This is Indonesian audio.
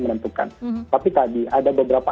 menentukan tapi tadi ada beberapa